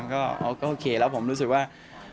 ก็โอเคแล้วผมรู้สึกว่า